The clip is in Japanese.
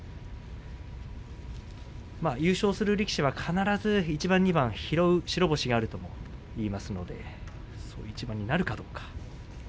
優勝する力士は必ず一番、二番拾う白星があるといいますのでその一番になるかどうか。